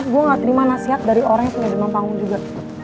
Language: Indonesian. gue gak terima nasihat dari orang yang punya demam panggung juga